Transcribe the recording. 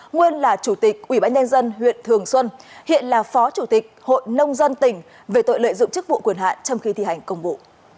nguyên là chủ tịch ủy ban nhân dân huyện thường xuân hiện là phó chủ tịch hội nông dân tỉnh về tội lợi dụng chức vụ quyền hạn trong khi thi hành công vụ